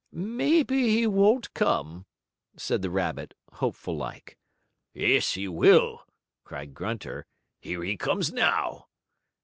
"Maybe he won't come," said the rabbit, hopeful like. "Yes, he will!" cried Grunter. "Here he comes now."